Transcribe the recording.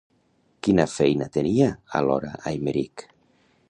Quina feina tenia, alhora, Aymerich?